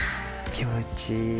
気持ちいい。